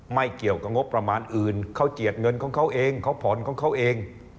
ไม่เกี่ยวกับงบประมาณอื่นเขาเจียดเงินของเขาเองเขาผ่อนของเขาเอง